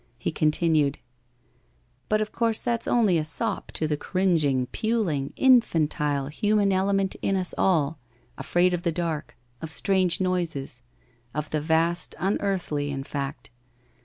He continued :' But of course that's only a sop to the cringing, puling, infantine human element in us all — afraid of the dark — of strange noises — of the vast unearthly, in fact.